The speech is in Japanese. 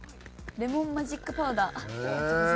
レモンマジックパウダー。